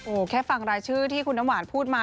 โอ้โหแค่ฟังรายชื่อที่คุณน้ำหวานพูดมา